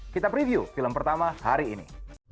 kita preview film pertama hari ini